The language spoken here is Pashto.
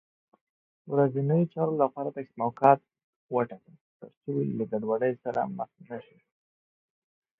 ورځنیو چارو لپاره تقسیم اوقات وټاکه، تر څو له ګډوډۍ سره مخ نه شې